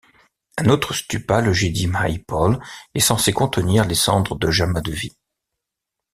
Un autre stûpa, le Chedi Mahipol, est censé contenir les cendres de Jamadevi.